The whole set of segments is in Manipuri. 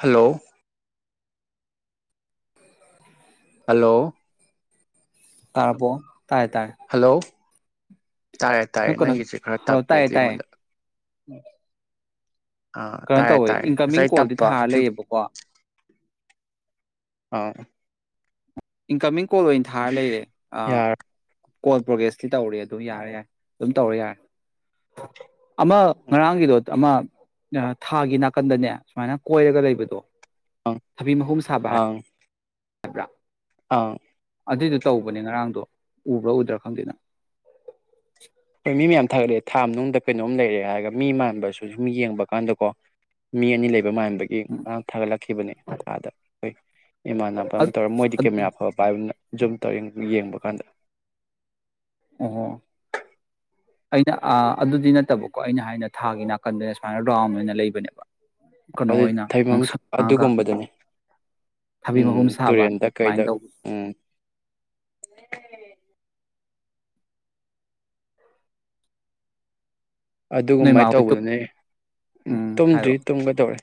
ꯍꯜꯂꯣ ꯍꯜꯂꯣ ꯇꯥꯔꯕꫭ ꯇꯥꯏ ꯇꯥꯏ ꯍꯜꯂꯣ ꯇꯥꯔꯦ ꯇꯥꯔꯦ ꯅꯪꯒꯤꯁꯦ ꯈꯔ ꯇꯞꯄꯦ ꯑꯗꯨ ꯑꯩꯉꯣꯟꯗ ꯎꯝ ꯑꯥ ꯀꯩꯅꯣ ꯇꯥꯔꯦ ꯇꯧꯋꯦ ꯇꯥꯔꯦ ꯏꯟꯀꯝꯃꯤꯡ ꯉꯁꯥꯏ ꯀꯣꯜꯗꯤ ꯇꯞꯄ ꯊꯥꯔ ꯑꯗꯨ ꯂꯩꯌꯦꯕꯀꯣ ꯑ ꯏꯟꯀꯃꯤꯡ ꯀꯣꯜ ꯑꯣꯏꯟ ꯊꯥꯔ ꯂꯩꯔꯦ ꯑꯥ ꯌꯥꯔꯦ ꯀꯣꯜ ꯄ꯭ꯔꯣꯒꯦꯁꯇꯤ ꯇꯧꯔꯦ ꯑꯗꯨ ꯌꯥꯔꯦ ꯌꯥꯔꯦ ꯑꯗꯨꯝ ꯇꯧꯔꯦ ꯌꯥꯔꯦ ꯑꯃ ꯉꯔꯥꯡꯒꯤꯗꯣ ꯗ ꯑꯃ ꯅ ꯊꯥꯒꯤ ꯅꯥꯀꯟꯗꯅꯦ ꯁꯨꯃꯥꯏꯅ ꯀꯣꯏꯔꯒ ꯂꯩꯕꯗꯣ ꯑꯪ ꯊꯕꯤ ꯃꯍꯨꯝ ꯁꯥꯕ ꯎꯕ꯭ꯔꯥ ꯑꯥꯎ ꯑꯗꯨꯏꯗꯣ ꯇꯧꯕꯅꯦ ꯉꯔꯥꯡꯗꯣ ꯎꯕ꯭ꯔꯥ ꯎꯗ꯭ꯔꯥ ꯈꯪꯗꯦꯅ ꯉꯔꯥꯡ ꯅꯪ ꯍꯣꯏ ꯃꯤ ꯃꯌꯥꯝ ꯊꯥꯒꯠꯂꯛꯑꯦ ꯊꯥ ꯃꯅꯨꯡꯗ ꯀꯩꯅꯣꯝ ꯂꯩꯔꯦ ꯍꯥꯏꯔꯒ ꯃꯤ ꯃꯥꯟꯕꯁꯨ ꯁꯨꯝ ꯌꯦꯡꯕ ꯀꯥꯟꯗꯀꯣ ꯃꯤ ꯑꯅꯤ ꯂꯩ ꯕ ꯃꯥꯟꯕꯒꯤꯥꯡ ꯊꯥꯒꯠꯂꯛꯈꯤꯕꯅꯦ ꯑꯥꯗ ꯑꯩꯈꯣꯏ ꯏꯃꯥꯟꯅꯕ ꯑꯃ ꯇꯧꯔ ꯃꯣꯏꯗꯤ ꯀꯦꯃꯦꯔꯥ ꯐꯕ ꯄꯥꯏꯕꯅ ꯖꯨꯝ ꯇꯧ ꯌꯦꯡꯕ ꯀꯥꯟꯗ ꯑ ꯑꯩꯅ ꯑꯗꯨꯗꯤ ꯅꯠꯇꯕꯀꯣ ꯑꯩꯅ ꯍꯥꯏꯅ ꯊꯥꯒꯤ ꯅꯥꯀꯟꯗꯅ ꯁꯨꯃꯥꯏꯅ ꯔꯥꯎꯟ ꯑꯣꯏꯅ ꯂꯩꯕꯅꯦꯕ ꯀꯩꯅꯣ ꯑꯗꯨ ꯑꯣꯏꯅ ꯊꯩꯐꯝ ꯉꯥꯡꯁꯛꯉꯥꯡꯉꯒ ꯑꯗꯨꯒꯨꯝꯕꯗꯨꯅꯤ ꯊꯕꯤ ꯎꯝ ꯃꯍꯨꯝ ꯁꯥꯕ ꯇꯨꯔꯦꯟꯗ ꯁꯨꯃꯥꯏꯅ ꯀꯩꯗ ꯇꯧꯕ ꯎꯝ ꯅꯣꯏ ꯃꯥ ꯑꯗꯨꯒꯃꯥꯏꯅ ꯍꯣꯏꯗꯣ ꯇꯧꯕꯗꯨꯅꯦ ꯎꯝ ꯇꯨꯝꯗ꯭ꯔꯤ ꯍꯥꯏꯔꯛꯑꯣ ꯇꯨꯝꯒꯗꯧꯔꯦ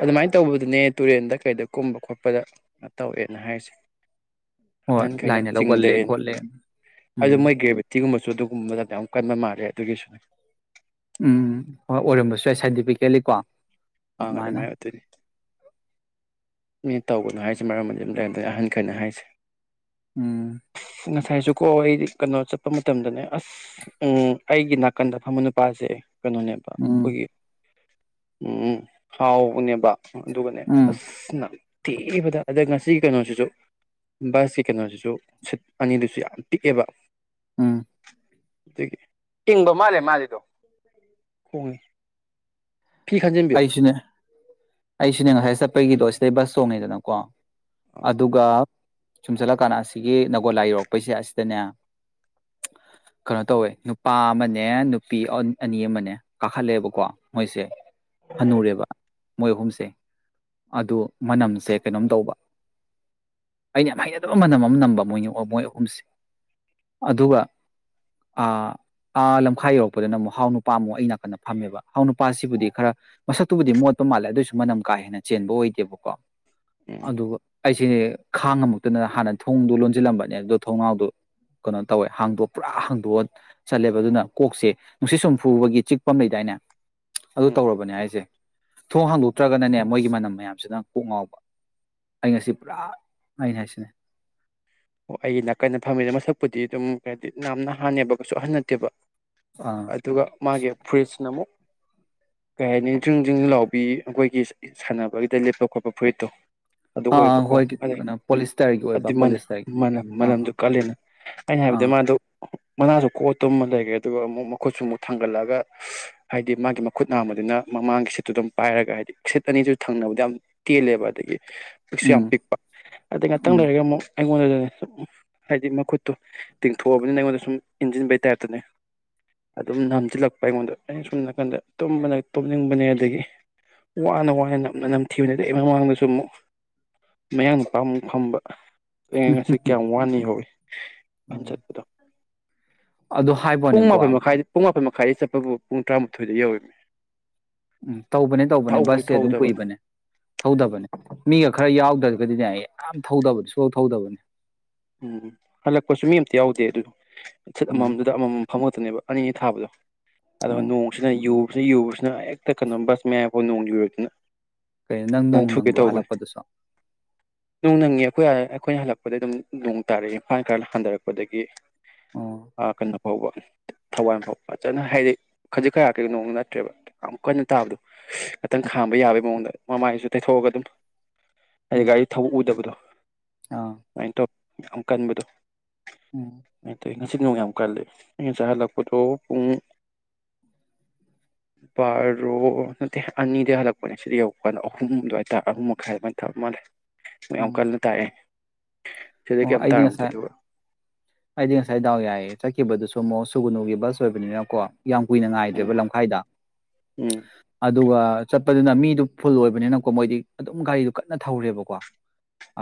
ꯑꯗꯨꯃꯥꯏꯅ ꯇꯧꯕꯗꯨꯅꯦ ꯇꯨꯔꯦꯟꯗ ꯀꯩꯗ ꯀꯨꯝꯕ ꯈꯣꯠꯄꯗ ꯇꯧꯋꯦꯅ ꯍꯥꯏꯔꯤꯁꯦ ꯍꯣꯏ ꯑꯍꯟꯈꯩꯅ ꯂꯥꯏꯅ ꯂꯧꯒꯜꯂꯦ ꯆꯤꯡꯗꯩꯅ ꯈꯣꯠꯂꯦ ꯑꯗꯨꯣ ꯎꯝ ꯃꯣꯏ ꯒ꯭ꯔꯦꯚꯇꯤꯒꯨꯝꯕ ꯁꯨ ꯑꯗꯨꯒꯨꯝꯕ ꯃꯇꯝꯗ ꯌꯥꯝ ꯀꯟꯕ ꯃꯥꯜꯂꯦ ꯑꯗꯨꯒꯤꯁꯨ ꯎꯝꯝ ꯍꯣꯏ ꯑꯣꯏꯔꯝꯕꯁꯨ ꯌꯥꯏ ꯁꯥꯏꯟꯇꯤꯐꯤꯀꯦꯜꯂꯤ ꯀꯣ ꯑꯥꯡ ꯑꯗꯨꯃꯥꯏꯅ ꯑꯣꯏꯇꯣꯏꯅꯤ ꯃꯤ ꯇꯧꯒꯅꯨ ꯍꯥꯏꯁꯦ ꯃꯔꯝꯗꯤꯝ ꯂꯩ ꯑꯗꯩ ꯑꯍꯟꯈꯩꯅ ꯍꯥꯏꯁꯦ ꯎꯝ ꯉꯁꯥꯏꯁꯨ ꯀꯣ ꯑꯩ ꯀꯩꯅꯣ ꯆꯠꯄ ꯃꯇꯝꯗꯅꯦ ꯑꯁ ꯎꯝ ꯑꯩꯒꯤ ꯅꯥꯀꯟꯗ ꯐꯝꯕ ꯅꯨꯄꯥꯁꯦ ꯀꯩꯅꯣꯅꯦꯕ ꯎꯝ ꯑꯩꯈꯣꯏꯒꯤ ꯎꯝ ꯍꯥꯎꯅꯦꯕ ꯑꯗꯨꯒꯗꯨꯒꯅꯦ ꯎꯝ ꯑꯁꯅ ꯊꯦꯕꯗ ꯑꯗ ꯉꯁꯤꯒꯤ ꯀꯩꯅꯣꯁꯤꯁꯨ ꯕꯁꯀꯤ ꯀꯩꯅꯣꯁꯤꯁꯨ ꯁꯤꯠ ꯑꯅꯤꯗꯨꯁꯨ ꯌꯥꯝ ꯄꯤꯛꯑꯦꯕ ꯑꯝ ꯑꯗꯨꯗꯒꯤ ꯏꯪꯕ ꯃꯥꯜꯂꯦ ꯃꯥꯜꯂꯤꯗꯣ ꯈꯣꯡꯉꯤ ꯑꯩꯁꯨꯅꯦ ꯑꯩꯁꯤꯅꯦ ꯉꯁꯥꯏ ꯆꯠꯄꯒꯤꯗꯣ ꯕꯁ ꯁꯣ ꯃꯗꯅ ꯀꯣ ꯑꯥ ꯑꯗꯨꯒ ꯁꯨꯝ ꯆꯠꯂꯀꯥꯟꯗ ꯑꯁꯤꯒꯤ ꯅꯒꯣꯜꯂꯥ ꯌꯧꯔꯛꯄꯩꯁꯦ ꯑꯁꯤꯗꯅꯦ ꯀꯩꯅꯣ ꯇꯧꯋꯦ ꯅꯨꯄꯥ ꯑꯃꯅꯦ ꯅꯨꯄꯤ ꯑꯅꯤ ꯑꯃꯅꯦ ꯀꯥꯈꯠꯂꯦꯕꯀꯣ ꯃꯣꯏꯁꯦ ꯍꯟꯅꯨꯔꯦꯕ ꯃꯣꯏ ꯑꯍꯨꯝꯁꯦ ꯑꯗꯨ ꯃꯅꯝꯁꯦ ꯀꯩꯅꯣꯝ ꯇꯧꯕ ꯑꯩꯅ ꯌꯥꯝ ꯍꯩꯅꯗꯕ ꯃꯅꯝ ꯑꯃ ꯅꯝꯕ ꯃꯣꯏ ꯃꯣꯏ ꯑꯍꯨꯝꯁꯦ ꯑꯗꯨꯒ ꯂꯝꯈꯥꯏ ꯌꯧꯔꯛꯄꯗꯅ ꯑꯃꯨꯛ ꯍꯥꯎ ꯅꯨꯄꯥ ꯑꯃꯨꯛ ꯑꯩ ꯅꯥꯀꯟꯗ ꯐꯝꯃꯦꯕ ꯍꯥꯎ ꯅꯨꯄꯥꯁꯤꯕꯨꯗꯤ ꯈꯔ ꯃꯁꯛꯇꯨꯕꯨꯗꯤ ꯃꯣꯠꯄ ꯃꯥꯜꯂꯦ ꯑꯗꯨꯏꯁꯨ ꯃꯅꯝ ꯀꯥ ꯍꯦꯟꯅ ꯆꯦꯟꯕ ꯑꯣꯏꯗꯦꯕꯀꯣ ꯎꯝ ꯑꯗꯨꯒ ꯑꯩꯁꯦ ꯈꯥꯡ ꯑꯃꯃꯨꯛꯇꯗ ꯍꯥꯟꯅ ꯊꯣꯡꯗꯣ ꯂꯣꯟꯁꯤꯜꯂꯝꯕꯅꯦ ꯑꯗꯣ ꯊꯣꯡꯅꯥꯎꯗꯣ ꯀꯩꯅꯣ ꯇꯧꯋꯦ ꯍꯥꯡꯗꯣꯛ ꯄꯨꯔꯥ ꯍꯥꯡꯗꯣꯛꯑ ꯆꯠꯂꯦꯕ ꯑꯗꯨꯅ ꯀꯣꯛꯁꯦ ꯅꯨꯡꯁꯤꯠ ꯁꯨꯝ ꯐꯨꯕꯒꯤ ꯆꯤꯛꯄꯝ ꯂꯩꯗꯥꯏꯅꯦ ꯑꯗꯨ ꯎꯝ ꯇꯧꯔꯕꯅꯦ ꯍꯥꯏꯁꯦ ꯁꯦ ꯊꯣꯡ ꯍꯥꯡꯗꯣꯛꯇ꯭ꯔꯒꯅꯅꯦ ꯃꯣꯏꯒꯤ ꯃꯅꯝ ꯃꯌꯥꯝꯁꯤꯅ ꯀꯣꯛ ꯉꯥꯎꯕ ꯑꯩ ꯉꯁꯤ ꯄꯨꯔꯥ ꯑꯩꯅ ꯍꯥꯏꯁꯤꯅꯦ ꯑꯣ ꯑꯩꯒꯤ ꯅꯥꯀꯟꯗ ꯐꯝꯃꯤꯗ ꯃꯁꯛꯄꯨꯗꯤ ꯑꯗꯨꯝ ꯀ꯭ꯔꯦꯗꯤꯠ ꯌꯥꯝꯅ ꯍꯅꯦꯕ ꯀꯩꯁꯨ ꯑꯍꯟ ꯅꯠꯇꯦꯕ ꯑꯥ ꯑꯗꯨꯒ ꯃꯥꯒꯤ ꯐ꯭ꯔꯤꯖꯅ ꯑꯃꯨꯛ ꯀꯩ ꯍꯥꯏꯅꯤ ꯗ꯭ꯔꯤꯡ ꯗꯔꯤꯡ ꯂꯥꯎꯕꯤ ꯑꯩꯈꯣꯏꯒꯤ ꯁꯥꯟꯅꯕꯒꯤꯗ ꯂꯦꯞꯄ ꯈꯣꯠꯄ ꯐꯨꯔꯤꯠꯇꯣ ꯑꯗꯨ ꯑꯥ ꯑꯥ ꯑꯣꯏꯕꯀꯣ ꯍꯣꯏ ꯑꯗꯩ ꯀꯩꯅꯣ ꯄꯣꯂꯤꯁꯇꯔꯒꯤ ꯑꯗꯨ ꯑꯣꯏꯕ ꯃꯅ ꯄꯣꯂꯤꯁꯇꯔꯒꯤ ꯃꯅꯝ ꯑꯥ ꯃꯅꯝꯗꯨ ꯑꯥ ꯀꯜꯂꯦꯅ ꯑꯩꯅ ꯍꯥꯏꯕꯗ ꯑꯥ ꯃꯥꯗꯨ ꯃꯅꯥꯁꯨ ꯀꯣꯠꯇꯨ ꯑꯃ ꯂꯩꯔ꯭ꯔꯦ ꯑꯗꯨꯒ ꯑꯃꯨꯛ ꯃꯈꯨꯠꯁꯨ ꯑꯃꯨꯛ ꯊꯥꯡꯒꯠꯂꯛꯒ ꯍꯥꯏꯗꯤ ꯃꯥꯒꯤ ꯃꯈꯨꯠ ꯅꯥꯕꯗꯨꯅ ꯃꯃꯥꯡꯒꯤ ꯁꯤꯠꯇꯨ ꯑꯗꯨꯝ ꯄꯥꯏꯔꯒ ꯍꯥꯏꯗꯤ ꯁꯤꯠ ꯑꯅꯤꯁꯨ ꯊꯪꯅꯕꯗ ꯌꯥꯝ ꯇꯦꯜꯂꯦꯕ ꯑꯗꯒꯤ ꯍꯧꯛꯁꯨ ꯌꯥꯝ ꯎꯝ ꯄꯤꯛꯄ ꯑꯗꯩ ꯉꯥꯛꯇꯪ ꯎꯝ ꯂꯩꯔꯒ ꯑꯃꯨꯛ ꯑꯩꯉꯣꯟꯗꯗ ꯁꯨꯝ ꯍꯥꯏꯗꯤ ꯃꯈꯨꯠꯇꯣ ꯇꯤꯡꯊꯣꯛꯑꯕꯅꯤꯅ ꯑꯩꯉꯣꯟꯗ ꯁꯨꯝ ꯏꯟꯁꯤꯟꯕꯩ ꯇꯥꯏꯞꯇꯅꯦ ꯑꯗꯨꯝ ꯅꯝꯁꯤꯜꯂꯛꯄ ꯑꯩꯉꯣꯟꯗ ꯑꯩꯅ ꯁꯨꯝꯝ ꯅꯥꯀꯟꯗ ꯇꯨꯝꯕꯅ ꯇꯨꯝꯅꯤꯡꯕꯅꯦ ꯑꯗꯒꯤ ꯋꯥꯅ ꯋꯥꯅ ꯅꯝꯅ ꯅꯝꯊꯤꯕꯅꯤ ꯑꯗꯨꯩ ꯑꯩ ꯃꯃꯥꯡꯗꯁꯨ ꯑꯃꯨꯛ ꯃꯌꯥꯡ ꯅꯨꯄꯥ ꯑꯃꯨꯛ ꯐꯝꯕ ꯑꯩ ꯉꯁꯤ ꯀꯌꯥꯝ ꯋꯥꯅꯤꯍꯧꯋꯤ ꯎꯝ ꯆꯠꯄꯗꯣ ꯑꯗꯨ ꯄꯨꯡ ꯍꯥꯏꯕꯅꯤꯀꯣ ꯃꯥꯣꯏ ꯃꯈꯥꯏꯗꯤ ꯄꯨꯡ ꯃꯥꯣꯏ ꯃꯈꯥꯏ ꯉꯥꯏ ꯆꯠꯄꯒꯨꯝꯕ ꯄꯨꯡ ꯇꯔꯥꯃꯥꯊꯣꯏꯗ ꯌꯧꯔꯝꯃꯤ ꯎꯝ ꯇꯧꯕꯅꯦ ꯇꯧꯕꯅꯦ ꯕꯁꯁꯦ ꯑꯗꯨꯝ ꯀꯨꯏꯕꯅꯦ ꯊꯧꯗꯕꯅꯦ ꯃꯤ ꯈꯔ ꯌꯥꯎꯗ꯭ꯔꯒꯗꯤꯅꯦ ꯑꯩ ꯌꯥꯝ ꯊꯧꯗꯕꯗꯤ ꯁꯨꯂꯧ ꯊꯧꯗꯕꯅꯤ ꯎꯝ ꯍꯜꯂꯛꯄꯁꯨ ꯃꯤ ꯑꯝꯇ ꯌꯥꯎꯗꯦ ꯑꯗꯨꯁꯨ ꯁꯤꯠ ꯎꯝ ꯑꯃꯃꯝꯗꯨꯗ ꯑꯃꯃꯝ ꯐꯝ ꯅꯦꯕ ꯑꯅꯤ ꯊꯥꯕꯗꯣ ꯑꯣ ꯅꯣꯡꯁꯤꯅ ꯌꯨ ꯌꯨꯕꯁꯤꯅ ꯍꯦꯛꯇ ꯀꯩꯅꯣ ꯕꯁ ꯃꯌꯥꯝꯐꯥꯎ ꯅꯣꯡ ꯌꯨꯔꯗꯅ ꯀꯣ ꯅꯪ ꯅꯣꯡ ꯅꯥꯟꯊꯨꯒꯦ ꯅꯪꯕ꯭ꯔꯣ ꯇꯧꯕꯅꯦ ꯍꯜꯂꯛꯄꯗꯨꯁꯨ ꯅꯣꯡ ꯅꯪꯉꯤ ꯑꯩꯈꯣꯏ ꯑꯩꯈꯣꯏꯅ ꯍꯜꯂꯛꯄꯗ ꯑꯗꯨꯝ ꯅꯣꯡ ꯇꯥꯔꯛꯑꯦ ꯏꯝꯐꯜ ꯀꯥꯏꯅ ꯍꯟꯊꯔꯛꯄꯗꯒꯤ ꯑꯣ ꯑꯥ ꯀꯩꯅꯣ ꯐꯥꯎꯕ ꯊꯋꯥꯏ ꯑꯃ ꯐꯥꯎꯕ ꯐꯖꯅ ꯍꯥꯏꯗꯤ ꯈꯖꯤꯛ ꯈꯌꯥ ꯀꯩ ꯅꯑꯣꯡꯗ ꯅꯠꯇ꯭ꯔꯦꯕ ꯌꯥꯝ ꯀꯟꯅ ꯇꯥꯕꯗꯣ ꯈꯤꯇꯪ ꯈꯥꯝꯕ ꯌꯥꯕꯒꯤ ꯃꯑꯣꯡꯗ ꯃꯃꯥꯏꯁꯨ ꯇꯩꯊꯣꯛꯑꯒ ꯑꯗꯨꯝ ꯍꯥꯏꯗꯤ ꯎꯝ ꯒꯥꯔꯤ ꯊꯕꯛ ꯎꯗꯕꯗꯣ ꯑꯥ ꯑꯗꯨꯃꯥꯏꯅ ꯇꯧ ꯌꯥꯝ ꯀꯟꯕꯗꯣ ꯎꯝ ꯑꯗꯨꯃꯥꯏꯅ ꯇꯧꯋꯤ ꯉꯁꯤ ꯅꯣꯡ ꯌꯥꯝ ꯀꯜꯂꯤ ꯑꯩꯅ ꯉꯁꯦ ꯍꯜꯂꯛꯄꯗꯣ ꯄꯨꯡ ꯕꯥꯔꯣ ꯅꯠꯇꯦ ꯑꯅꯤꯗꯒꯤꯩ ꯍꯜꯂꯛꯄꯅꯦ ꯁꯤꯗ ꯌꯧꯔ ꯀꯥꯟꯗ ꯑꯍꯨꯝ ꯑꯗꯨꯋꯥꯇꯥꯔ ꯑꯍꯨꯝ ꯃꯈꯥꯏ ꯑꯗꯨꯃꯥꯏꯅ ꯊꯕ ꯃꯥꯜꯂꯦ ꯌꯥꯝ ꯎꯝ ꯀꯜꯅ ꯇꯥꯛꯑꯦ ꯁꯤꯗ ꯑꯣ ꯀꯩꯝ ꯑꯩꯗꯤ ꯇꯥꯔꯝꯗꯦ ꯉꯁꯥꯏ ꯑꯗꯨꯒ ꯑꯩꯗꯤ ꯉꯁꯥꯏ ꯗꯥꯎ ꯌꯥꯏꯑ ꯆꯠꯈꯤꯕꯗꯨꯁꯨ ꯁꯣꯃꯣ ꯁꯨꯒꯨꯅꯨꯒꯤ ꯕꯁ ꯑꯣꯏꯕꯅꯤꯅꯀꯣ ꯌꯥꯝ ꯀꯨꯏꯅ ꯎꯝ ꯉꯥꯏꯗ꯭ꯔꯦꯕ ꯂꯝꯈꯥꯏꯗ ꯎꯝ ꯑꯗꯨꯒ ꯄ ꯑꯗꯨꯅ ꯃꯤꯗꯨ ꯐꯨꯜ ꯑꯣꯏꯕꯅꯤꯅꯀꯣ ꯃꯣꯏꯗꯤ ꯑꯗꯨꯝ ꯒꯥꯔꯤꯗꯨꯣ ꯀꯟꯅ ꯊꯧꯔꯦꯕꯀꯣ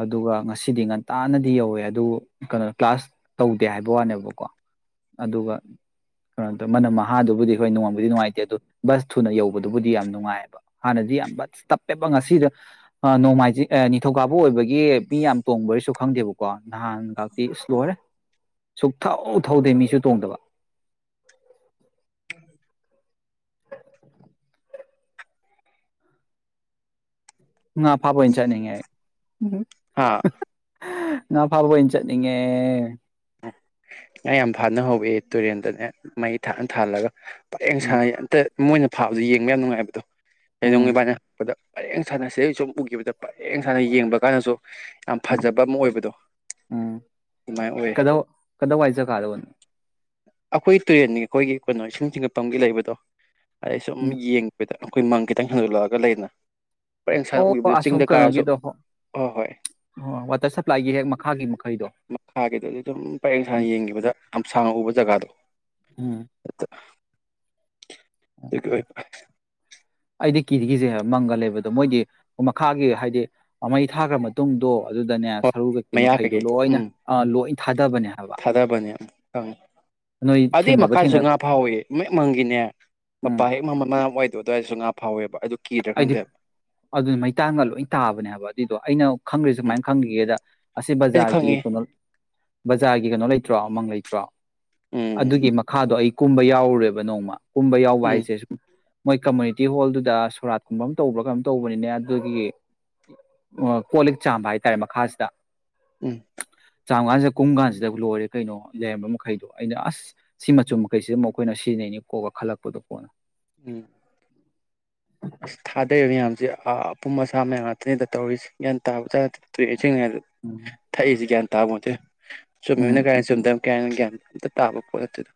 ꯑꯗꯨꯒ ꯉꯁꯤꯗꯤ ꯉ ꯇꯥꯅꯗꯤ ꯌꯧꯋꯦ ꯑꯗꯨꯕꯨ ꯀꯩꯅꯣ ꯀ꯭ꯂꯥꯁ ꯇꯧꯗꯦ ꯍꯥꯏꯕ ꯋꯥꯅꯦꯕꯀꯣ ꯑꯗꯨꯒ ꯀꯩꯅꯣ ꯇꯧꯋ ꯃꯅꯝ ꯃꯍꯥꯗꯨꯕꯨꯗꯤ ꯍꯈꯣꯏ ꯅꯣꯡꯉꯕꯗꯤ ꯅꯨꯡꯉꯥꯏꯇꯦ ꯑꯗꯨ ꯕꯁ ꯊꯨꯅ ꯌꯧꯕꯗꯨꯕꯨꯗꯤ ꯌꯥꯝ ꯅꯨꯡꯉꯥꯏꯌꯦꯕ ꯍꯥꯟꯅꯗꯤ ꯌꯥꯝ ꯕꯁ ꯇꯞꯄꯦꯕ ꯉꯁꯤꯗ ꯅꯣꯡꯃꯥꯏꯖꯤꯡ ꯅꯤꯡꯊꯧꯀꯥꯕꯨ ꯑꯣꯏꯕꯒꯤ ꯃꯤ ꯌꯥꯝ ꯇꯣꯡꯕꯔꯁꯨ ꯈꯪꯗꯦꯕꯀꯣ ꯅꯍꯥꯟ ꯈꯥꯛꯇꯤ ꯏꯁ ꯂꯣꯏꯔꯦ ꯁꯨꯛ ꯊꯧ ꯊꯧꯗꯦ ꯃꯤꯁꯨ ꯇꯣꯡꯗꯕ ꯎ ꯐꯄꯣꯏ ꯆꯅꯤꯡꯉ ꯎꯝ ꯍꯥ ꯉ ꯐꯥꯕꯣ ꯆꯠꯅꯤꯡꯉꯦ ꯉ ꯌꯥꯝ ꯐꯥꯅ ꯍꯧꯋꯦ ꯇꯨꯔꯦꯟꯗꯅꯦ ꯃꯩ ꯊꯥꯛ ꯊꯥꯜꯂꯒ ꯌꯦꯡ ꯎꯝ ꯁꯥꯡꯉ ꯑꯇ ꯃꯣꯏꯅ ꯐꯥꯕꯁ ꯌꯦꯡꯕ ꯌꯥꯝ ꯅꯨꯡꯉꯥꯏꯕꯗꯣ ꯎꯝ ꯄꯅꯦ ꯍꯥꯄꯗ ꯄꯔꯦꯡ ꯁ ꯁꯥꯅ ꯁꯤꯗꯩ ꯁꯨꯝ ꯎꯈꯤꯕꯗ ꯄꯔꯦꯡ ꯁ ꯁꯥꯅ ꯌꯦꯡꯕ ꯀꯥꯟꯗꯁꯨ ꯌꯥꯝ ꯎꯝ ꯐꯖꯕ ꯑꯃ ꯑꯣꯏꯕꯗꯣ ꯑꯗꯨꯃꯥꯏꯅ ꯑꯣꯏꯌꯦ ꯀꯗ ꯋꯥꯏꯆ ꯀꯥꯜꯕꯟ ꯑꯩꯈꯣꯏ ꯇꯨꯔꯦꯟꯅꯤ ꯑꯩꯈꯣꯏꯒꯤ ꯀꯩꯅꯣ ꯏꯁꯤꯡ ꯆꯤꯡꯉꯛꯄꯒꯤ ꯂꯩꯕꯗꯣ ꯑꯩ ꯁꯨꯝ ꯎꯝ ꯌꯦꯡꯉꯛꯄꯩꯗ ꯑꯩꯈꯣꯏ ꯃꯪ ꯈꯤꯇꯪ ꯍꯦꯟꯗꯣꯛꯂꯛꯑꯒ ꯂꯩꯅ ꯑꯣ ꯑꯁꯣꯝ ꯀꯩꯅꯣꯒꯤꯗꯣ ꯑꯣ ꯍꯣꯏ ꯍꯣꯏ ꯋꯥꯇꯔ ꯁꯄ꯭ꯂꯥꯏꯒꯤ ꯍꯦꯛ ꯃꯈꯥꯒꯤ ꯃꯈꯩꯗꯣ ꯃꯈꯥꯒꯤꯗꯨꯗꯤ ꯑꯗꯨꯝ ꯄꯔꯡ ꯁꯥꯡꯅ ꯎꯝ ꯌꯦꯡꯈꯤꯕꯗ ꯌꯥꯝ ꯁꯥꯡꯅ ꯎꯕ ꯖꯒꯥꯗꯣ ꯎꯝ ꯊ ꯑꯩꯗꯤ ꯀꯤꯒꯤꯁꯦ ꯃꯪꯒ ꯂꯩꯕꯗꯣ ꯃꯣꯏꯗꯤ ꯃꯈꯥꯒꯤ ꯍꯥꯏꯗꯤ ꯃꯩ ꯊꯥꯈ꯭ꯔ ꯃꯇꯨꯡꯗꯣ ꯑꯗꯨꯗꯅꯦ ꯍ ꯁꯔꯨ ꯀꯩꯀꯩ ꯃꯌꯥ ꯃꯈꯩꯗꯣ ꯀꯩꯒꯤ ꯂꯣꯏꯅ ꯎꯝ ꯑ ꯂꯣꯏ ꯊꯥꯗꯕꯅꯦ ꯍꯥꯏꯕ ꯊꯥꯗꯕꯅꯦꯝ ꯈꯪꯉꯤ ꯅꯣꯏ ꯑꯗꯨꯏ ꯊꯦꯡꯅꯕ ꯃꯈꯥꯁꯨ ꯊꯦꯡꯅ ꯉꯥ ꯐꯥꯎꯋꯤ ꯃꯦꯛ ꯃꯪꯒꯤꯅꯦ ꯎꯝ ꯃꯄꯥ ꯍꯦꯛ ꯃ ꯃ ꯑꯣꯏꯗꯣꯏ ꯑꯗꯨꯋꯥꯔꯁꯨ ꯉꯥ ꯐꯧꯋꯦꯕ ꯑꯩꯗꯤ ꯑꯗꯨꯗꯤ ꯃꯩꯇꯥꯡꯒ ꯂꯣꯏ ꯇꯥꯕꯅꯦꯕ ꯑꯗꯨꯏꯗꯣ ꯑꯩꯅ ꯈꯪꯗ꯭ꯔꯤꯁꯦ ꯎꯝ ꯁꯨꯃꯥꯏꯅ ꯈꯪꯈꯤꯒꯦꯗ ꯑꯁꯤ ꯑꯩꯁꯨ ꯕꯖꯥꯔꯒꯤ ꯈꯪꯉꯤ ꯀꯩꯅꯣ ꯕꯖꯥꯔꯒꯤ ꯀꯩꯅꯣ ꯂꯩꯇ ꯅꯠꯇ꯭ꯔꯥ ꯑꯃꯃꯪ ꯂꯩꯇ꯭ꯔꯥ ꯎꯝ ꯑꯗꯨꯒꯤ ꯃꯈꯥꯗꯣ ꯑꯩ ꯀꯨꯝꯕ ꯌꯥꯎꯔꯨꯔꯦꯕ ꯅꯣꯡꯃ ꯀꯨꯝꯕ ꯌꯥꯎꯕ ꯎꯝ ꯍꯥꯏꯁꯦ ꯁꯨꯝ ꯃꯣꯏ ꯀꯝꯃꯨꯅꯤꯇꯤ ꯍꯣꯜꯗꯨꯗ ꯁꯣꯔꯥꯠꯀꯨꯝꯕ ꯑꯃ ꯇꯧꯕ꯭ꯔꯥ ꯀꯩꯅꯝ ꯇꯧꯕꯅꯤꯅꯦ ꯑꯗꯨꯒꯤ ꯀꯣ ꯂꯤꯛ ꯆꯥꯝꯕ ꯍꯥꯏꯇꯥꯔꯦ ꯃꯈꯥꯁꯤꯗ ꯎꯝ ꯆꯥꯝ ꯀꯥꯟꯁꯤꯗ ꯀꯨꯝ ꯀꯥꯟꯁꯤꯗ ꯂꯣꯏꯔꯦ ꯀꯩꯅꯣ ꯂꯩꯔꯝꯕ ꯃꯈꯩꯗꯣ ꯑꯩꯅ ꯑꯁ ꯁꯤ ꯃꯆꯨꯝ ꯃꯈꯩꯁꯤꯗ ꯑꯃꯨꯛ ꯑꯩꯈꯣꯏꯅ ꯁꯤꯖꯤꯟꯅꯩꯅꯤ ꯀꯣꯛꯒ ꯈꯜꯂꯛꯄꯗꯣ ꯀꯣꯟꯅ ꯎꯝ ꯑꯁ ꯊꯥꯗꯔꯤꯕ ꯃꯌꯥꯝꯁꯦ ꯑꯄꯨꯝ ꯑꯁꯥ ꯃꯌꯥꯝ ꯉꯥꯛꯇꯅꯤꯗ ꯇꯧꯔꯤꯁꯦꯒꯌꯥꯟ ꯇꯥꯕ ꯇꯥ ꯊꯣꯛꯏꯁꯦ ꯁꯤꯡꯉꯗ ꯎꯝ ꯊꯛꯏꯁꯤ ꯒ꯭ꯌꯥꯟ ꯇꯥꯛ ꯃꯆꯦ ꯆꯨꯃꯤꯅ ꯎꯝ ꯀꯥꯏ ꯆꯗꯝ ꯀꯌꯥ ꯒꯌꯥ ꯑꯝꯇ ꯇꯥꯕ ꯈꯣꯠ ꯑꯗꯨꯗꯣ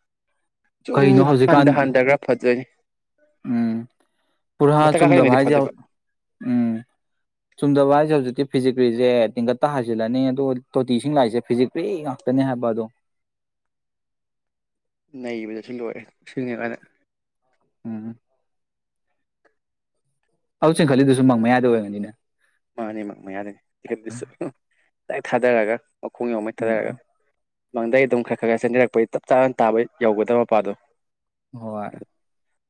ꯁꯨꯝ ꯀꯩꯅꯣ ꯍꯟꯊ ꯍꯧꯖꯤꯛꯀꯥꯟ ꯍꯟꯊ ꯈ꯭ꯔꯥ ꯐꯖꯩ ꯎꯝ ꯄꯨꯔꯍꯥ ꯃꯊꯛ ꯆꯨꯝꯗꯕ ꯀꯥꯈꯠꯂꯤꯉꯩꯗꯤ ꯍꯥꯏꯁꯦ ꯐꯗꯣꯏꯕ ꯎꯝ ꯆꯨꯝꯗꯕ ꯍꯥꯏꯁꯦ ꯍꯧꯖꯤꯛꯇꯤ ꯐꯤꯖꯤꯛꯀ꯭ꯔꯤꯁꯦ ꯇꯤꯡꯀꯠꯇ ꯍꯥꯏꯖꯤꯜꯂꯅꯤ ꯑꯗꯣ ꯇꯣꯇꯤꯁꯤꯡ ꯂꯥꯛꯏꯁꯦ ꯐꯤꯖꯤꯛꯀ꯭ꯔꯤ ꯉꯥꯛꯇꯅꯦ ꯍꯥꯏꯕ ꯑꯗꯣ ꯅꯩꯕꯗꯁꯨ ꯂꯣꯏꯔꯦ ꯁꯤꯅꯦꯕ ꯑꯣꯏꯅ ꯎꯝ ꯍꯧ ꯆꯤꯡ ꯈꯜꯂꯤꯗꯨꯁꯨ ꯃꯪ ꯃꯌꯥꯗ ꯑꯣꯏꯕꯅꯤꯅ ꯃꯥꯅꯦ ꯃꯥ ꯃꯥ ꯌꯥꯔꯦꯅꯦ ꯇꯤꯠ ꯇꯥꯗꯔꯒ ꯃꯈꯣꯡ ꯌꯎ ꯃꯩꯊꯥꯗꯔꯒ ꯎꯝ ꯃꯪꯗꯒꯤ ꯑꯗꯨꯝ ꯈꯔ ꯈꯔ ꯈꯔ ꯆꯦꯟꯕꯤꯔꯛꯄꯩ ꯆꯞ ꯆꯥꯅ ꯇꯥꯕ ꯌꯧꯒꯗꯕ ꯃꯄꯥꯗꯣ ꯍꯣꯏ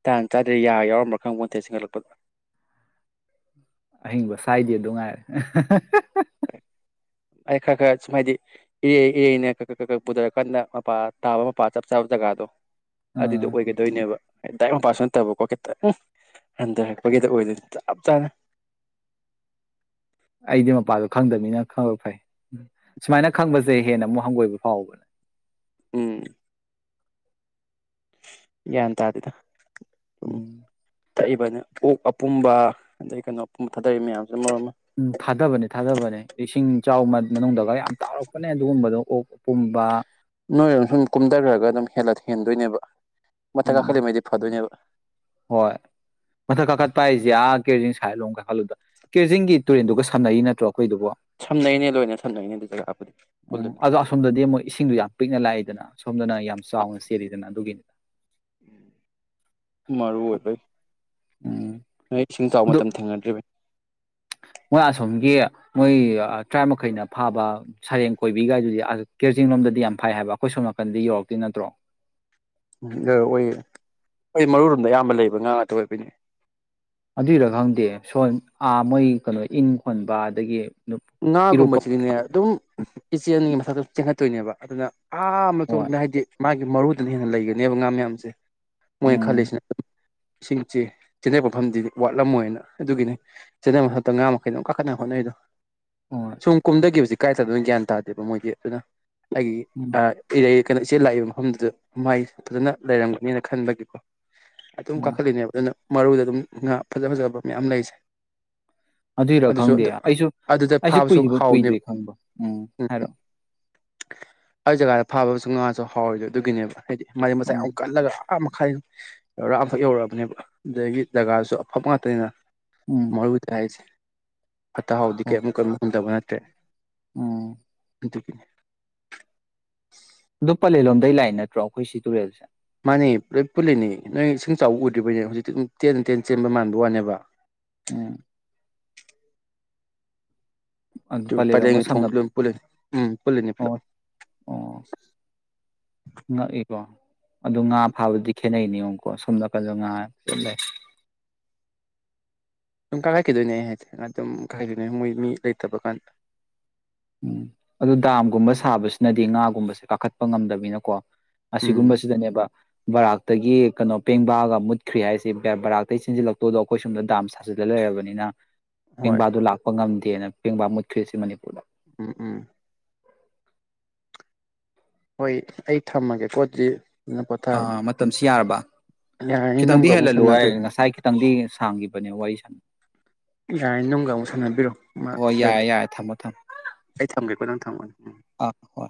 ꯇꯥꯡ ꯆꯥꯗꯔꯦ ꯌꯥ ꯌꯥꯎꯔꯝꯕ꯭ꯔꯥ ꯈꯪꯕꯣꯟꯇꯦ ꯆꯦꯟꯒꯠꯂꯛꯄꯗ ꯑꯍꯤꯡꯕ ꯁꯥꯏꯗꯤ ꯑꯗꯨ ꯉꯥꯏꯔꯦ ꯑꯩ ꯈꯔ ꯈꯔ ꯁꯨꯝ ꯍꯥꯏꯗꯤ ꯏꯔꯩ ꯏꯔꯦꯅ ꯀꯀ ꯀꯀ ꯄꯨꯊꯔ ꯀꯟꯅ ꯃꯄꯥ ꯇꯥꯕ ꯃꯄꯥ ꯆꯞ ꯆꯥꯕ ꯖꯒꯥꯗꯣ ꯑꯗꯨꯗꯣ ꯑꯥ ꯑꯣꯏꯒꯗꯣꯏꯅꯦꯕ ꯇꯗꯥꯥꯏꯄꯥ ꯑꯣꯏꯅ ꯇꯕꯀꯣ ꯈꯤꯇ ꯍꯟꯊꯔꯛꯄꯒꯤꯗ ꯑꯣꯏꯗꯅ ꯆꯞ ꯆꯥꯅ ꯑꯩꯗꯤ ꯃꯄꯥꯗꯣ ꯈꯪꯗꯕꯅꯤꯅ ꯈꯪꯕ ꯐꯩ ꯎ ꯁꯨꯃꯥꯏꯅ ꯈꯪꯕꯁꯦ ꯍꯦꯟꯅ ꯑꯃꯨꯛ ꯍꯪꯒꯣꯏꯕ ꯐꯥꯎꯕꯅꯦ ꯎꯝ ꯌꯥ ꯇ ꯍꯥꯏꯗꯗ ꯎꯝ ꯊꯛꯏꯕꯅꯤ ꯑꯣꯛ ꯑꯄꯨꯝꯕ ꯑꯗꯩ ꯀꯩꯅꯣ ꯑꯄꯨꯝꯕ ꯊꯥꯗꯔꯤꯕ ꯃꯌꯥꯝꯁ ꯎꯝ ꯊꯥꯗꯕꯅꯦ ꯊꯥꯗꯕꯅꯦ ꯏꯁꯤꯡ ꯆꯥꯎ ꯃꯅꯨꯡꯗꯒ ꯌꯥꯝ ꯇꯥꯎꯔꯛꯄꯅꯦ ꯑꯗꯨꯒꯨꯝꯕꯗꯣ ꯑꯣꯛ ꯄꯨꯝꯕ ꯅꯣꯏꯔꯝ ꯁꯨꯝ ꯀꯨꯝꯊꯈ꯭ꯔꯒ ꯑꯗꯨꯝ ꯍꯂ ꯍꯦꯟꯗꯣꯏꯅꯦꯕ ꯃꯊꯪ ꯀꯥ ꯎꯝ ꯈꯜꯂꯤ ꯃꯩꯗꯤ ꯐꯥꯗꯣꯏꯅꯦꯕ ꯍꯣꯏ ꯃꯊꯛ ꯀꯥꯈꯠꯄ ꯍꯥꯏꯁꯦ ꯑꯥ ꯀꯦꯔꯖꯤꯡ ꯁꯥꯏꯠꯂꯣꯝ ꯀ ꯈꯥꯏ ꯈꯜꯂꯨꯗ ꯀꯦꯖꯤꯡꯒꯤ ꯇꯨꯔꯦꯟꯗꯨꯒ ꯁꯥꯟꯅꯩꯔꯤ ꯅꯠꯇ꯭ꯔꯣ ꯑꯩꯈꯣꯏꯗꯨꯕꯨ ꯁꯝꯅꯩꯅꯦ ꯂꯣꯏꯅ ꯁꯝꯅꯩꯅꯦ ꯑꯗꯨ ꯖꯒꯥꯕꯨꯗꯤ ꯎꯝ ꯄꯨꯜꯂꯅꯤ ꯑꯗꯣ ꯑꯁꯣꯝꯗꯗꯤ ꯑꯃꯨꯣꯏ ꯏꯁꯤꯡꯗꯣ ꯌꯥꯝ ꯄꯤꯛꯅ ꯂꯥꯛꯏꯗꯅ ꯁꯣꯝꯗꯅ ꯌꯥꯝ ꯆꯥꯎꯅ ꯆꯦꯜꯂꯤꯗꯅ ꯑꯗꯨꯒꯤꯅꯤꯗ ꯃꯔꯔꯑꯣ ꯑꯣꯏꯗꯥꯏ ꯎꯝ ꯅꯣꯏ ꯏꯁꯤꯡ ꯆꯥꯎꯕ ꯑꯗꯨ ꯃꯇꯝ ꯊꯦꯡꯅꯗ꯭ꯔꯤꯕ ꯃꯣꯏ ꯑꯁꯣꯝꯒꯤ ꯃꯣꯏ ꯇꯔꯥ ꯃꯈꯩꯅ ꯐꯥꯕ ꯁꯔꯦꯡ ꯀꯣꯏꯕꯤꯒꯥꯏꯗꯨꯗꯤ ꯀꯔꯖꯤꯡ ꯂꯣꯝꯗꯗꯤ ꯌꯥꯝ ꯐꯩ ꯍꯥꯏꯕ ꯑꯩꯈꯣꯏ ꯁꯣꯝ ꯅꯥꯀꯟꯗꯤ ꯌꯧꯔꯛꯇꯦ ꯅꯠꯇ꯭ꯔꯣ ꯔ ꯑꯣꯏꯌꯦ ꯑꯩꯣꯏ ꯃꯔꯨ ꯔꯣꯝꯗ ꯑꯌꯥꯝꯕ ꯂꯩꯕ ꯉꯥ ꯉꯥꯛꯇ ꯑꯣꯏꯕꯅꯦ ꯑꯗꯨꯏꯔ ꯈꯪꯗꯦ ꯁꯣꯝꯥ ꯃꯣꯏ ꯀꯩꯅꯣ ꯏꯪ ꯈꯣꯟꯕ ꯑꯗꯒꯤ ꯏꯔꯨꯞꯄ ꯉꯒꯨꯝꯕꯖꯤꯗꯤꯅꯦ ꯑꯗꯨꯝ ꯏꯆꯦꯟ ꯑꯅꯤꯒꯤ ꯃꯊꯛꯇ ꯆꯦꯟꯈꯠꯇꯣꯏꯅꯦꯕ ꯑꯗꯨꯅ ꯌꯥꯝꯥꯅ ꯍꯣꯏ ꯊꯣꯛꯇꯅ ꯍꯥꯏꯗꯤ ꯃꯥꯒꯤ ꯃꯔꯨ ꯑꯗꯨꯅ ꯍꯦꯟꯅ ꯂꯩꯒꯅꯦꯕ ꯉꯥ ꯃꯌꯥꯝꯁꯦ ꯃꯣꯏ ꯎꯝ ꯈꯜꯁꯤꯅꯦ ꯏꯁꯤꯡꯁꯤ ꯀꯦꯅꯦꯟꯅ ꯃꯐꯝꯗꯤꯗꯤ ꯋꯥꯠꯂꯝꯃꯣꯏꯅ ꯑꯗꯨꯒꯤꯅꯤ ꯀꯦꯅꯦꯟꯅ ꯃꯐꯝꯗ ꯉꯥ ꯃꯈꯩꯅꯣ ꯀꯥꯈꯠꯅꯕ ꯍꯣꯠꯅꯩꯗꯣ ꯍꯣꯏ ꯁꯨꯝ ꯀꯨꯝꯗꯒꯤ ꯍꯧꯖꯤꯛ ꯀꯥꯏꯗ ꯑꯗꯨꯝꯅ ꯒ꯭ꯌꯥꯟ ꯇꯥꯗꯦꯕ ꯃꯣꯏꯒꯤ ꯑꯗꯨꯅ ꯍꯥꯏꯦ ꯑ ꯎꯝ ꯀꯩꯅꯣ ꯏꯆꯦ ꯂꯥꯛꯏꯕ ꯃꯐꯝꯗꯨꯗ ꯃꯥꯏ ꯐꯖꯅ ꯂꯩꯔꯝꯒꯅꯦꯅ ꯈꯟꯕꯒꯤꯀꯣ ꯑꯗꯨꯝ ꯎꯝ ꯀꯥꯈꯠꯂꯤꯅꯦꯕ ꯑꯗꯨꯅ ꯃꯔꯨꯗ ꯑꯗꯨꯝ ꯉꯥ ꯐꯖ ꯐꯖꯕ ꯃꯌꯥꯝ ꯂꯩꯖꯩ ꯑꯗꯨꯏꯔ ꯈꯪꯗꯦ ꯑꯩꯁꯨ ꯑꯗꯨꯗ ꯑꯩꯁꯨ ꯐꯥꯕꯁꯨ ꯀꯨꯏꯗ ꯍꯥꯎꯅꯦꯕ ꯀꯨꯏꯗ꯭ꯔꯤ ꯈꯪꯕ ꯎꯝ ꯍꯥꯏꯔꯛꯑꯣ ꯑꯩ ꯖꯒꯥꯗ ꯐꯥꯕ ꯑꯃꯁꯁꯨ ꯉꯥꯁꯨ ꯍꯥꯎꯔꯤꯗꯣ ꯑꯗꯨꯒꯤꯅꯦꯕ ꯍꯥꯏꯗꯤ ꯃꯩ ꯃꯁꯥꯏ ꯎꯝ ꯌꯥꯝꯨꯛ ꯀꯜꯂꯒ ꯑꯔꯥ ꯃꯈꯥꯏ ꯌꯧꯔꯥ ꯑꯃꯈꯛ ꯌꯧꯔꯛꯑꯕꯅꯦꯕ ꯑꯗꯨꯗꯒꯤ ꯖꯒꯥꯁꯨ ꯑꯐꯕ ꯉꯥꯛꯇꯅꯤꯅ ꯎꯝ ꯃꯔꯕꯨꯗ ꯍꯥꯏꯁꯦ ꯑꯇꯥ ꯑꯣ ꯀꯃꯛ ꯀꯝ ꯍꯟꯗꯕ [inaudible] ꯎꯝ ꯅꯦ ꯗꯨꯄꯂ ꯂꯣ ꯑꯗꯇꯩ ꯂꯥꯛꯏ ꯅꯠꯇ꯭ꯔꯣ ꯑꯩꯈꯣꯏ ꯁꯤ ꯇꯨꯔꯦꯜꯁꯦ ꯃꯥꯅꯤ ꯂꯣꯏ ꯄꯨꯜꯂꯤꯅꯤ ꯅꯣꯏ ꯏꯁꯤꯡ ꯆꯥꯎꯕ ꯎꯗ꯭ꯔꯤꯕꯩꯅꯦ ꯍꯧꯖꯤꯛꯇꯤ ꯑꯗꯨ ꯇꯦꯟ ꯇꯦꯟ ꯆꯦꯟꯕ ꯃꯥꯟꯕ ꯋꯥꯅꯦꯕ ꯎꯝ ꯑꯗꯨ ꯄ ꯊ ꯄꯂꯦꯜꯂꯣꯝꯒ ꯁꯝꯅ ꯄꯨꯂꯅꯤ ꯎꯝ ꯄꯨꯂꯅꯤ ꯄꯨꯂ ꯑꯣ ꯑꯣ ꯉꯛꯏꯀꯣ ꯑꯗꯨ ꯉꯥ ꯐꯥꯕꯗꯤ ꯈꯦꯠꯅꯩ ꯅꯤꯌꯣꯉꯝꯀꯣ ꯁꯣꯝ ꯅꯥꯀꯟꯗ ꯉꯥ ꯂꯩ ꯁꯨꯝ ꯀꯥꯏꯈꯠꯈꯤꯗꯣꯏꯅꯦ ꯑꯩ ꯍꯥꯏꯦ ꯑꯗꯨꯨꯝ ꯀꯥꯏꯈꯠꯈꯤꯗꯣꯏꯅꯦ ꯃꯣꯏ ꯃꯤ ꯂꯩꯇꯕ ꯀꯥꯟꯗ ꯎꯝ ꯑꯗꯨ ꯗꯥꯝꯒꯨꯝꯕ ꯁꯥꯕꯁꯤꯅꯗꯤ ꯉꯥꯒꯨꯝꯕꯁꯦ ꯀꯥꯈꯠꯄ ꯉꯝꯗꯅꯤꯅꯀꯣ ꯎꯝ ꯑꯁꯤꯒꯨꯝꯕꯁꯤꯗꯅꯦꯕ ꯕꯔꯥꯛꯇꯒꯤ ꯀꯩꯅꯣ ꯄꯦꯡꯕꯥꯑꯒ ꯃꯨꯠꯈ꯭ꯔꯤ ꯍꯥꯏꯁꯦ ꯕꯔꯥꯛꯇꯩꯒꯤ ꯆꯦꯟꯁꯤꯜꯂꯛꯇꯣꯗꯣ ꯑꯩꯈꯣꯏ ꯁꯣꯝꯗ ꯗꯥꯝ ꯁꯥꯖꯤꯜꯂ ꯂꯩꯔꯕꯅꯤꯅ ꯍꯣꯏ ꯄꯦꯡꯕꯥꯗꯨ ꯂꯥꯛꯄ ꯉꯝꯗꯦꯅ ꯄꯦꯡꯕꯥ ꯃꯨꯈ꯭ꯔꯔꯤꯁꯤ ꯃꯅꯤꯄꯨꯔꯗ ꯎꯝ ꯎꯝ ꯍꯣꯏ ꯑꯩ ꯊꯝꯃꯒꯦ ꯄꯣꯠꯁꯤ ꯑꯥ ꯃꯇꯝꯁꯤ ꯌꯥꯔꯕ ꯌꯥꯔꯅꯤ ꯈꯤꯇꯪꯗꯤ ꯅꯨꯡꯒ ꯑꯃꯨꯛ ꯍꯦꯜꯍꯜꯂꯨ ꯍꯥꯏ ꯁꯥꯟꯅꯕꯤꯔꯣ ꯉꯁꯥꯏ ꯈꯤꯇꯪꯗꯤ ꯁꯥꯡꯈꯤꯕꯅꯦ ꯋꯥꯔꯤ ꯁꯅ ꯌꯥꯔꯅꯤ ꯅꯨꯡꯒ ꯑꯃꯨꯛ ꯁꯥꯟꯅꯕꯤꯔꯣ ꯃꯥ ꯍꯣꯏ ꯌꯥꯔꯦ ꯌꯥꯔꯦ ꯊꯝꯃꯣ ꯊꯝꯃꯣ ꯑꯩ ꯊꯝꯒꯦꯀꯣ ꯅꯪ ꯊꯝꯃꯣ ꯎꯝ ꯑꯥ ꯍꯣꯏ